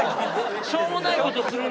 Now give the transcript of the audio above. しょうもない事するの。